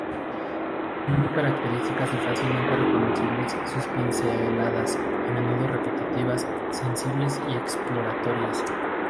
Son muy características y fácilmente reconocibles sus pinceladas, a menudo repetitivas, sensibles y exploratorias.